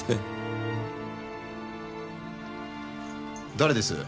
誰です？